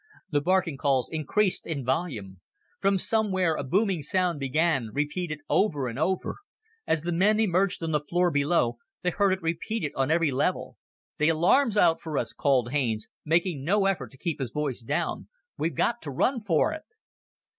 The barking calls increased in volume. From somewhere a booming sound began, repeated over and over. As the men emerged on the floor below, they heard it repeated on every level. "The alarm's out for us," called Haines, making no effort to keep his voice down. "We've got to run for it!"